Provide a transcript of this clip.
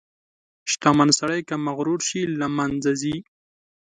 • شتمن سړی که مغرور شي، له منځه ځي.